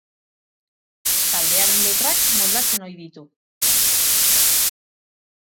Taldearen letrak moldatzen ohi ditu.